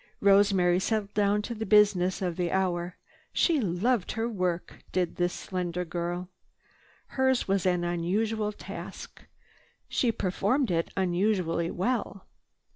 Rosemary settled down to the business of the hour. She loved her work, did this slender girl. Hers was an unusual task. She performed it unusually well.